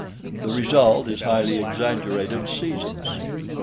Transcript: The result is highly exaggerated seasons.